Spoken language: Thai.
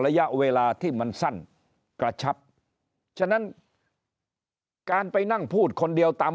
ระยะเวลาที่มันสั้นกระชับฉะนั้นการไปนั่งพูดคนเดียวตาม